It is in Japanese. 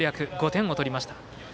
５点を取りました。